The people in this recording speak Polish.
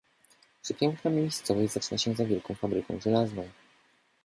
"Przepiękna miejscowość zaczyna się za wielką fabryką żelazną."